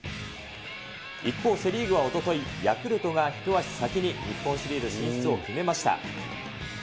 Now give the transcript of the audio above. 一方セ・リーグはおととい、ヤクルトが一足先に日本シリーズ進出を決めました。